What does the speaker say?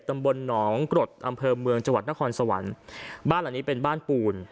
ตำบลหนองกรดอำเภอเมืองจังหวัดนครสวรรค์บ้านหลังนี้เป็นบ้านปูน